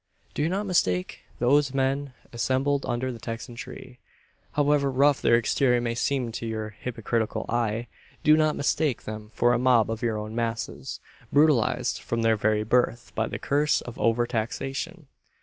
Do not mistake those men assembled under the Texan tree however rough their exterior may seem to your hypercritical eye do not mistake them for a mob of your own "masses," brutalised from their very birth by the curse of over taxation.